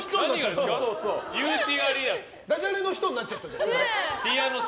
ダジャレの人になっちゃったじゃん。